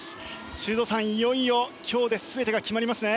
修造さん、いよいよ今日で全てが決まりますね。